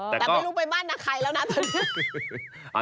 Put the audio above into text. แต่ไม่รู้ไปบ้านในใครแล้วนะ